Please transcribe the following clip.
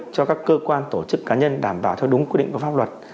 cho các cơ quan tổ chức cá nhân đảm bảo theo đúng quy định của pháp luật